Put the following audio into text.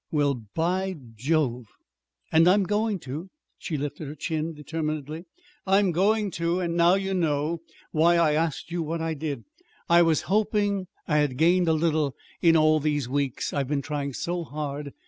"Well, by Jove!" "And I'm going to." She lifted her chin determinedly. "I'm going to! And now you know why I asked you what I did. I was hoping I I had gained a little in all these weeks. I've been trying so hard.